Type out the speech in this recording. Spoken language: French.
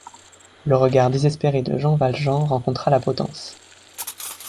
Le regard désespéré de Jean Valjean rencontra la potence